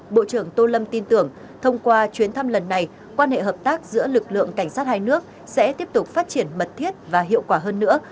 bộ trưởng tô lâm tin tưởng thông qua chuyến thăm lần này quan hệ hợp tác giữa lực lượng cảnh sát hai nước sẽ tiếp tục phát triển mật thiết và hiệu quả hơn nữa